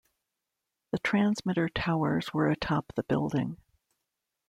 The transmitter towers were atop the building.